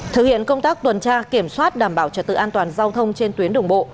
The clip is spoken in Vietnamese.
thực hiện công tác tuần tra kiểm soát đảm bảo trật tự an toàn giao thông trên tuyến đường bộ